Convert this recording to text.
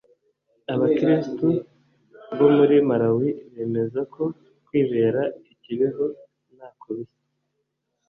Abakirisitu bo muri malawi bemeza ko kwibera ikibeho ntako bisa